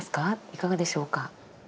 いかがでしょうか？